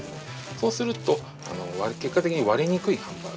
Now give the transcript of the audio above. そうすると結果的に割れにくいハンバーグ。